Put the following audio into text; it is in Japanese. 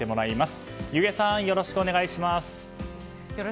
弓削さん、よろしくお願いします。